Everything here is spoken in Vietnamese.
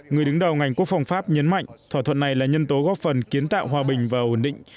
người đứng đầu ngành quốc phòng pháp nhấn mạnh thỏa thuận này là nhân tố góp phần kiến tạo hòa bình và ổn định